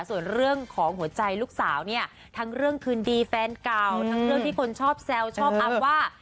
ส่วนเรื่องของหัวใจลูกสาวเนี่ยทั้งเรื่องคืนดีแฟนเก่าทั้งเรื่องที่คนชอบแซวชอบอัพว่า